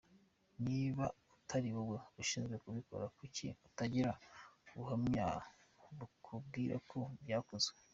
Niba atariwowe ushinzwe kubikora kuki utagira ubuhamya bukubwira ko byakozwe”.